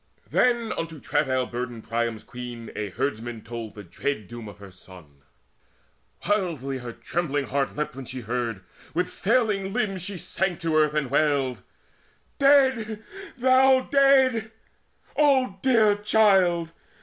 Then unto travail burdened Priam's queen A herdman told the dread doom of her son. Wildly her trembling heart leapt when she heard; With failing limbs she sank to earth and wailed: "Dead! thou dead, O dear child!